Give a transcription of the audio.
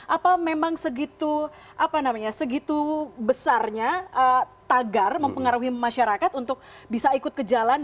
apa memang segitu apa namanya segitu besarnya tagar mempengaruhi masyarakat untuk bisa ikut ke jalan